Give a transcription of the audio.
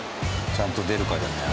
ちゃんと出るかじゃない？